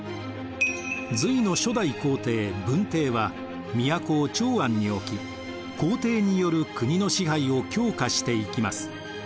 隋の初代皇帝文帝は都を長安に置き皇帝による国の支配を強化していきます。